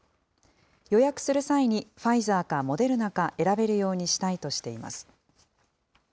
予約する際にファイザーかモデルナか選べるようにしたいとしています。